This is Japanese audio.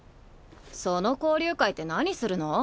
その交流会って何するの？